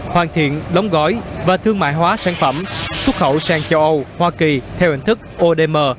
hoàn thiện đóng gói và thương mại hóa sản phẩm xuất khẩu sang châu âu hoa kỳ theo hình thức odm